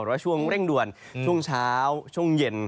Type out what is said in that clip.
ว่าช่วงเร่งด่วนช่วงเช้าช่วงเย็น